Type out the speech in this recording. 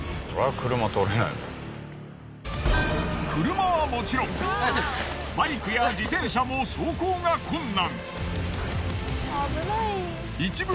車はもちろんバイクや自転車も走行が困難。